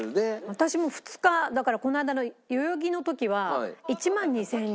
私も２日だからこの間の代々木の時は１万２０００人。